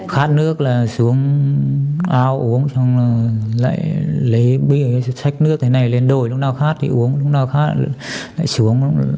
khát nước là xuống ao uống lấy bia sách nước này lên đôi lúc nào khát thì uống lúc nào khát lại xuống